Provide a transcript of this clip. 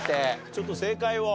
ちょっと正解を。